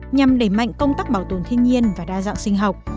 nhằm đẩy mạnh công tác bảo tồn thiên nhiên và đa dạng sinh học